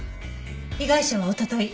被害者はおととい